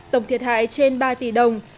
tổng thiệt hại trên ba tỷ đồng